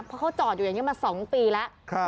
เพราะเขาจอดอยู่อย่างเงี้ยมาสองปีแล้วครับ